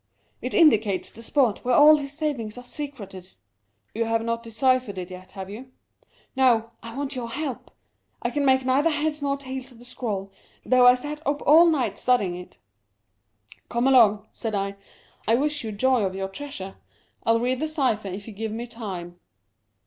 It indicates the spot where all his savings are secreted." " You have not deciphered it yet, have you ?"" No. I want your help ; I can make neither heads nor tails of the scrawl, though I sat up all night studying it." " Come along," said I, " I wish you joy of your treasure. Fll read the cypher if you give me time."